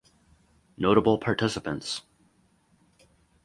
Notable participants